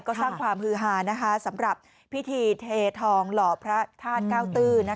ก็สร้างความภูหาสำหรับพิธีเททองหล่อพระทาติ๙๔